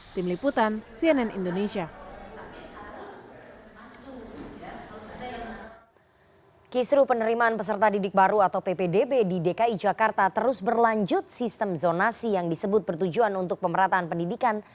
serta didik baru atau ppdb di dki jakarta terus berlanjut sistem zonasi yang disebut bertujuan untuk pemerataan pendidikan